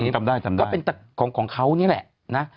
จำได้จำได้ก็เป็นของเขานี่แหละนะ